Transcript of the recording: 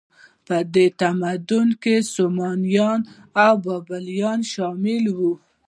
په دې تمدنونو کې سومریان او بابلیان شامل وو.